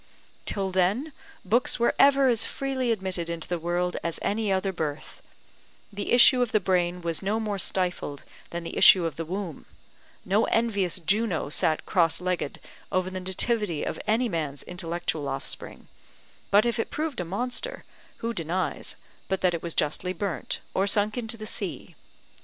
Till then books were ever as freely admitted into the world as any other birth; the issue of the brain was no more stifled than the issue of the womb: no envious Juno sat cross legged over the nativity of any man's intellectual offspring; but if it proved a monster, who denies, but that it was justly burnt, or sunk into the sea?